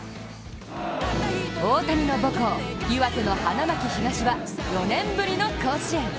大谷の母校、岩手の花巻東が４年ぶりの甲子園。